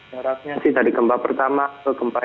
jaraknya sih dari gempa pertama ke gempa yang lain